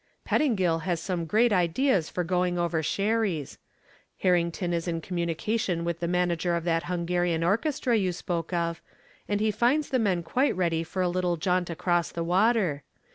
"Pettingill has some great ideas for doing over Sherry's. Harrison is in communication with the manager of that Hungarian orchestra you spoke of, and he finds the men quite ready for a little jaunt across the water.